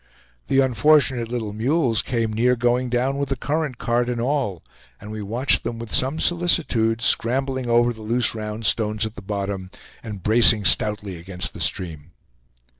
The unfortunate little mules came near going down with the current, cart and all; and we watched them with some solicitude scrambling over the loose round stones at the bottom, and bracing stoutly against the stream.